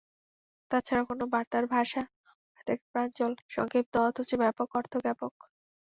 তা ছাড়া কোন বার্তার ভাষা হয়ে থাকে প্রাঞ্জল, সংক্ষিপ্ত অথচ ব্যাপক অর্থ জ্ঞাপক।